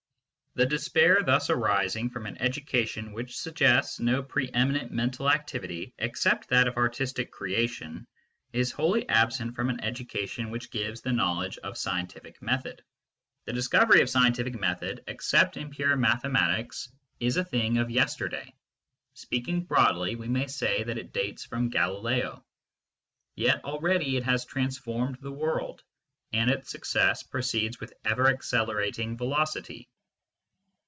The despair thus arising from an education which suggests no pre eminent mental activity except that of artistic creation is wholly absent from an education SCIENCE AND CULTURE 41 which gives the knowledge of scientific method. The discovery of scientific method, except in pure mathe matics, is a thing of yesterday ; speaking broadly, we may say that it dates from Galileo. Yet already it has transformed the world, and its success proceeds with ever accelerating velocity.